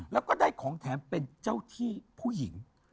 แล้วก็ได้ของแถมเป็นเจ้าที่ผู้หญิง